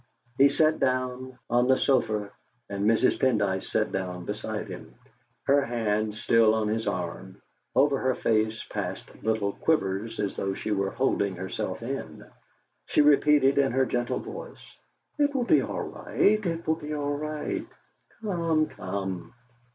He sat down on the sofa, and Mrs. Pendyce sat down beside him, her hand still on his arm; over her face passed little quivers, as though she were holding herself in. She repeated in her gentle voice: "It will be all right it will be all right. Come, come!"